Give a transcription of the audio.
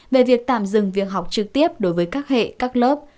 về việc tạm dừng việc học trực tiếp đối với các hệ các lớp